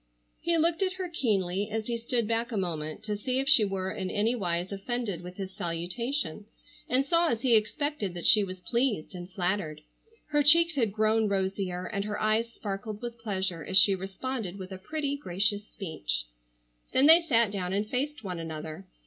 He looked at her keenly as he stood back a moment, to see if she were in any wise offended with his salutation, and saw as he expected that she was pleased and flattered. Her cheeks had grown rosier, and her eyes sparkled with pleasure as she responded with a pretty, gracious speech. Then they sat down and faced one another.